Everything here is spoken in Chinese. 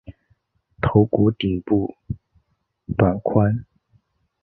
头骨顶部短宽。